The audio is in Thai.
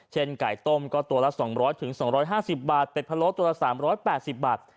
ไก่ต้มก็ตัวละ๒๐๐๒๕๐บาทเป็ดพะโล้ตัวละ๓๘๐บาท